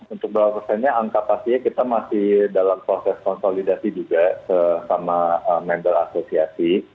untuk berapa persennya angka pastinya kita masih dalam proses konsolidasi juga sama member asosiasi